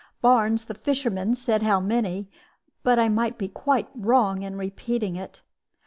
Barnes, the fisherman, said how many; but I might be quite wrong in repeating it.